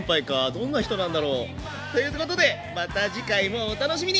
どんな人なんだろう。ということでまた次回もお楽しみに！